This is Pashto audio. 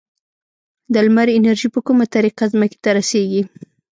د لمر انرژي په کومه طریقه ځمکې ته رسیږي؟